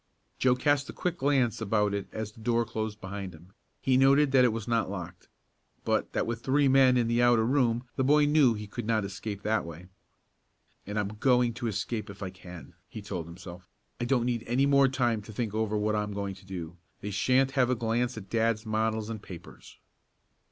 Joe cast a quick glance about it as the door closed behind him. He noted that it was not locked, but that with three men in the outer room the boy knew he could not escape that way. "And I'm going to escape if I can," he told himself. "I don't need any more time to think over what I'm going to do. They shan't have a glance at dad's models and papers."